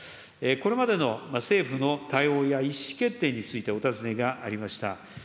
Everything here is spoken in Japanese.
これまでの政府の対応や意思決定についてお尋ねがありました。